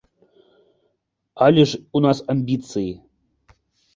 Але ж у нас амбіцыі!